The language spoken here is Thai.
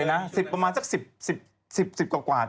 อย่างสิบหวายังเด็กมาก